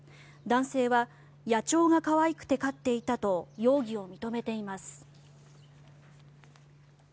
男性は野鳥が可愛くて飼っていたと容疑を認めています。